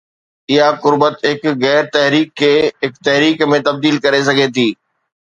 اها قربت هڪ غير تحريڪ کي هڪ تحريڪ ۾ تبديل ڪري سگهي ٿي.